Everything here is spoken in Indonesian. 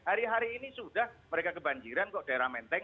hari hari ini sudah mereka kebanjiran kok daerah menteng